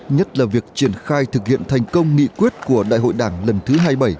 nhất là việc triển khai thực hiện thành công nghị quyết của đại hội đảng lần thứ hai mươi bảy